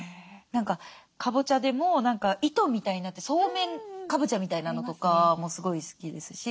何かカボチャでも糸みたいになってそうめんカボチャみたいなのとかもすごい好きですし。